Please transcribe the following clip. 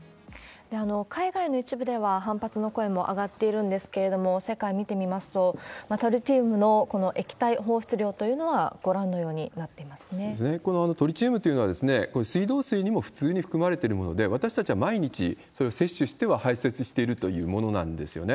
海外の一部では反発の声も上がっているんですけれども、世界見てみますと、トリチウムの、この液体放出量というのは、ご覧のようになっていこのトリチウムというのは、水道水にも普通に含まれているもので、私たちは毎日それを摂取しては排せつしているというものなんですよね。